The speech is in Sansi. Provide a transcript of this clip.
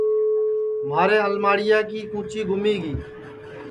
مھارے الماڑیا کی کُچی گُمی گی